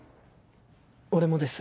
俺もです